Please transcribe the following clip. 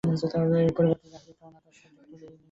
এই পরিবারটি জাকারিয়াকে অনাথ আশ্রম থেকে তুলে নিয়েছিলেন।